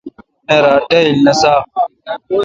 نہ رات ڈاییل نہ ساق۔